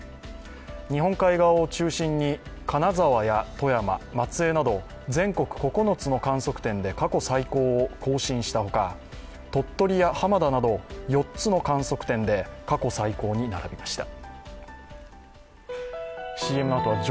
日本海側を中心に金沢や富山、松江など全国９つの観測点で過去最高を更新したほか、鳥取や浜田など４つの観測点で過去最高に並びました。